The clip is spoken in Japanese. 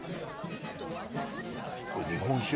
これ日本酒？